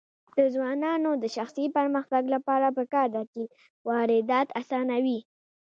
د ځوانانو د شخصي پرمختګ لپاره پکار ده چې واردات اسانوي.